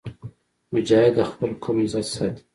مجاهد د خپل قوم عزت ساتي.